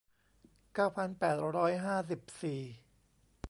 เก้าพันแปดร้อยห้าสิบสี่